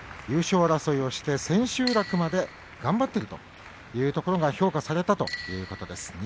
優勝争いをして千秋楽まで頑張っているというところが評価されたということです。